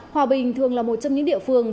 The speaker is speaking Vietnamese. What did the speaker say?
hòa bình thường là một trong những địa phương